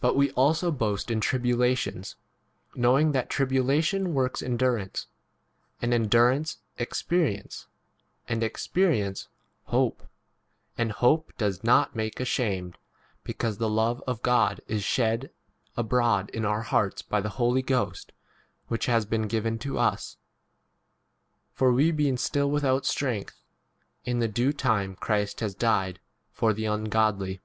ROMANS V. boast in tribulations, knowing that 4 tribulation works endurance ; and endurance, experience ; and expe 5 rience, hope ; and hope does not make ashamed, because the love of God is shed abroad in our hearts by the Holy Ghost which has been 6 given to us : for we being still without strength, in [the] due time Christ has died h for [the] ungodly.